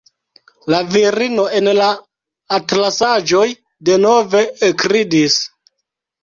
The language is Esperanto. La virino en la atlasaĵoj denove ekridis.